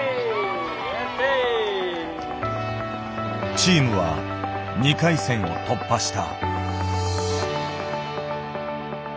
チームは２回戦を突破した。